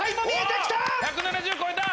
１７０超えた！